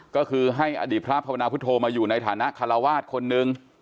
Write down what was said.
ก็คือให้อดีตพระภาวนาพุทธโธมาอยู่ในฐานะคาราวาสคนนึง